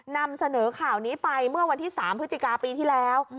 นำเสนอข่าวนี้ไปเมื่อวันที่๓พฤศจิกาปีที่แล้ว